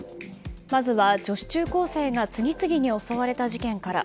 まずは女子中高生が次々に襲われた事件から。